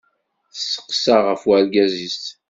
Testeqsa-t ɣef urgaz-is.